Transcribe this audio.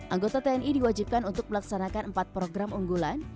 anggota tni diwajibkan untuk melaksanakan empat program unggulan